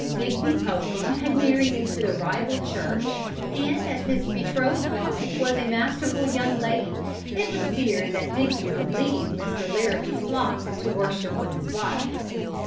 Digby Popham had married into the rival church and as his betrothed was a masterful young lady it was feared that Digby would leave Mr. Larrabee's flock to worship with his wife.